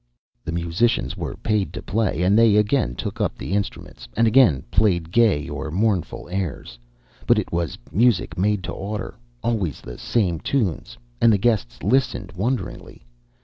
The musicians were paid to play, and they again took up the instruments, and again played gay or mournful airs. But it was music made to order, always the same tunes, and the guests listened wonderingly.